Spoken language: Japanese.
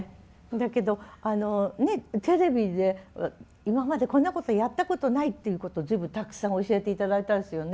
だけどあのねえテレビで今までこんなことやったことないっていうことを随分たくさん教えて頂いたんですよね。